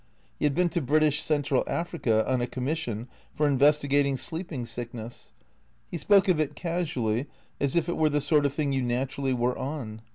He had been to British Central Africa on a commission for investigating sleeping sickness ; he spoke of it casually as if it w^ere the sort of thing you naturally were on.